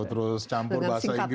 terus campur bahasa inggris